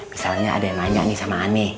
misalnya ada yang nanya nih sama ane